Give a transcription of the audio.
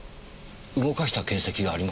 動かした形跡がありますね。